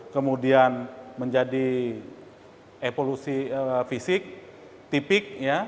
kemudian menjadi evolusi fisik tipik